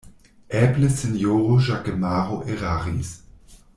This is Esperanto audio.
Eble sinjoro Ĵakemaro eraris.